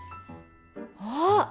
あっ！